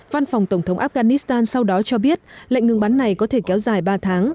văn phòng tổng thống afghanistan sau đó cho biết lệnh ngừng bắn này có thể kéo dài ba tháng